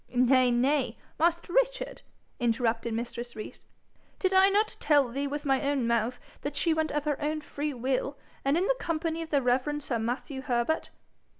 'Nay, nay, master Richard,' interrupted mistress Rees; 'did I not tell thee with my own mouth that she went of her own free will, and in the company of the reverend sir Matthew Herbert?'